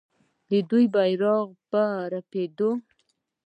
د دوی بیرغ په رپیدو دی.